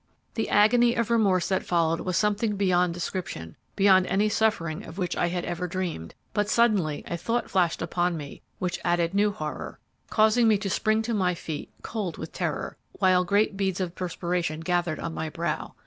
"The agony of remorse that followed was something beyond description, beyond any suffering of which I had ever dreamed; but suddenly a thought flashed upon me which added new horror, causing me to spring to my feet cold with terror, while great beads of perspiration gathered on my brow.